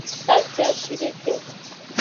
Kaciashideke.